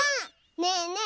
ねえねえ